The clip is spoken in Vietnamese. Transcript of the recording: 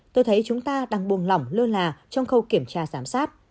tôi thấy chúng ta đang buồng lỏng lơ là trong khâu kiểm tra giám sát